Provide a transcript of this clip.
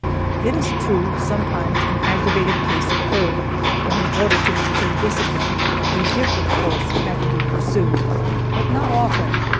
It is true, sometimes an aggravated case occurred when, in order to maintain discipline, a different course had to be pursued, but not often.